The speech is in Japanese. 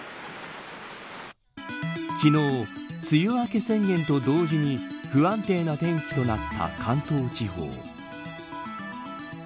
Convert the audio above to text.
昨日、梅雨明け宣言と同時に不安定な天気となった関東地方。